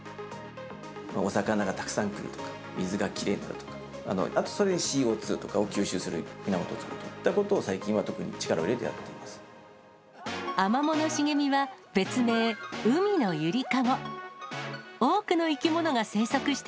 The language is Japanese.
お魚がたくさん来るとか、水がきれいになるとか、それにＣＯ２とかを吸収する源になるといったことを、最近、アマモの茂みは別名、海のゆりかご。